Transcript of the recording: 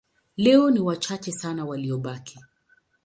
Leo ni wachache sana waliobaki.